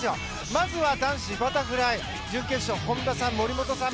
まずは男子バタフライ準決勝本多さん、森本さん